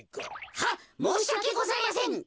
はっもうしわけございません。